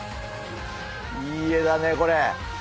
いい画だねこれ！